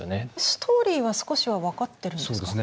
ストーリーは少しは分かってるんですか？